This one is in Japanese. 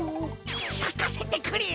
さかせてくれ！